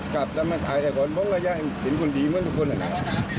กลับจะมาถ่ายแต่ก่อนมันยากเป็นคนดีเหมือนกันนะครับ